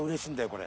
これ。